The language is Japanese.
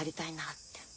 って。